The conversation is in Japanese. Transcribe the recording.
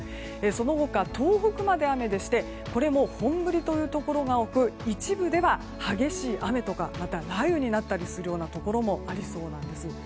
その他、東北まで雨でしてこれも本降りというところが多く一部では激しい雨や雷雨となるところもありそうなんです。